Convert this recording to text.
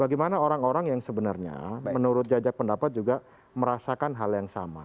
bagaimana orang orang yang sebenarnya menurut jajak pendapat juga merasakan hal yang sama